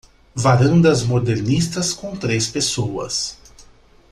Varandas modernistas com três pessoas.